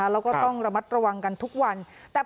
แล้วก็ต้องระมัดระวังกันทุกวัน